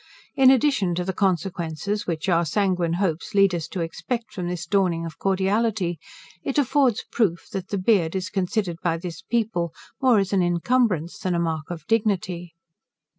In addition to the consequences which our sanguine hopes led us to expect from this dawning of cordiality, it affords proof, that the beard is considered by this people more as an incumbrance than a mark of dignity.